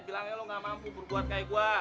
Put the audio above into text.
bilangnya lo gak mampu berbuat kayak gue